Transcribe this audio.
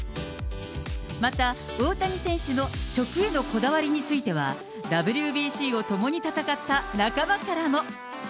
また、大谷選手の食へのこだわりについては、ＷＢＣを共に戦った仲間からも。